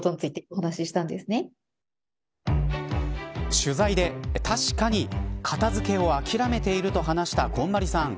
取材で確かに片付けを諦めていると話したこんまりさん。